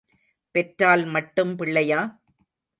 பெற்றால் மட்டும் பிள்ளையா?